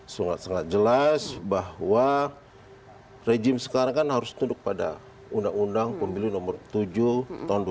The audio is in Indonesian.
sangat sangat jelas bahwa rejim sekarang kan harus tunduk pada undang undang pemilu nomor tujuh tahun dua ribu dua